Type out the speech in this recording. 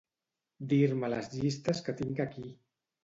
Dir-me les llistes que tinc aquí.